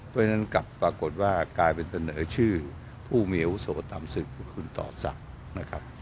ด้วยนั้นกลับปรากฏว่ากลายเป็นเถิดเนินชื่อผู้มีวโสฬตามสึกคุณตอศักดิ์นะครับ